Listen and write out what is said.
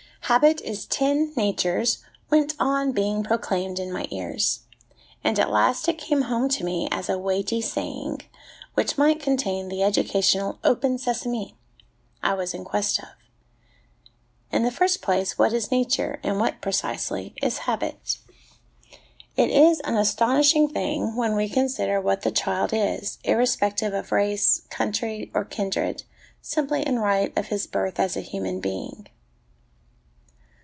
' Habit is TEN natures,' went on being proclaimed in my ears; and at last it came home to me as a weighty saying, which might contain the educa tional ' Open, sesame !' I was in quest of. In the first place, what is Nature, and what, precisely, is Habit? It is an astonishing thing, when we consider, what the child is, irrespective of race, country, or kindred, simply in right of his birth as a human being.